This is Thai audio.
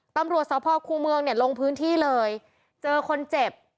ตำรวจสพครูเมืองเนี่ยลงพื้นที่เลยเจอคนเจ็บ